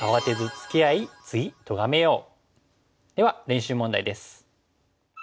では練習問題です。